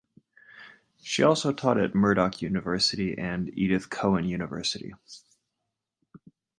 She also taught at Murdoch University and Edith Cowan University.